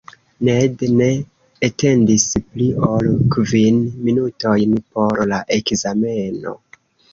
Ned ne atendis pli ol kvin minutojn por la ekzameno.